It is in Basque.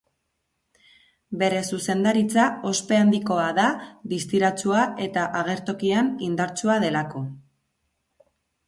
Bere zuzendaritza, ospe handikoa da distiratsua eta agertokian indartsua delako.